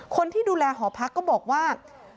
คนที่ดูแลหอพักก็บอกว่า